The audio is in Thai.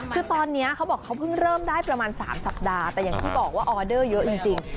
คือตอนนี้เขาบอกเขาเพิ่งเริ่มได้ประมาณ๓สัปดาห์แต่อย่างที่บอกว่าออเดอร์เยอะจริง